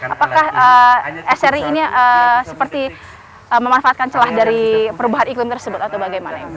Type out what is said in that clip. apakah sri ini seperti memanfaatkan celah dari perubahan iklim tersebut atau bagaimana